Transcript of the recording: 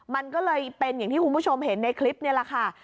มันก็เลยเป็นอย่างที่คุณผู้ชมเห็นในคลิปนี่แหละค่ะ